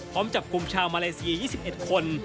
พร้อมจับกลุ่มชาวมาเลเซีย๒๑คน